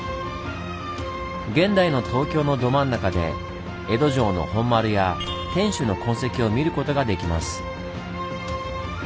現代の東京のど真ん中で江戸城の本丸や天守の痕跡を見ることができます。